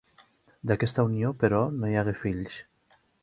D'aquesta unió però no hi hagué fills.